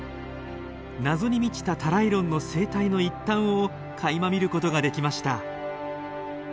謎に満ちたタライロンの生態の一端をかいま見ることができました。